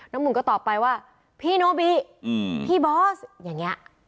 น้ำมุ่นก็ตอบไปว่าพี่โนบิอืมพี่บอสอย่างเงี้ย